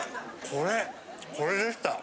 これこれでした。